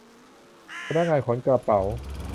พนักงานขนกระเป๋า